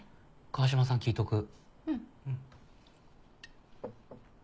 川島さんに聞いとく。